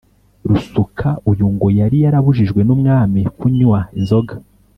Rusuka uyu ngo yari yarabujijwe n’ Umwami kunywa inzoga